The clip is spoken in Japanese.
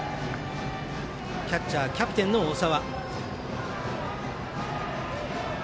キャッチャー、キャプテンの大澤。